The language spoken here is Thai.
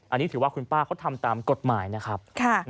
อันนี้ถือว่าคุณป้าเขาทำตามกฎหมายนะครับ